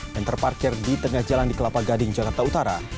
yang terparkir di tengah jalan di kelapa gading jakarta utara